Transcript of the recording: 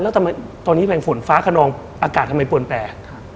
แล้วตอนนี้เพิ่งฝนฟ้าขนองอากาศทำไมปล่นแปล